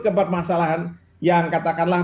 keempat masalahan yang katakanlah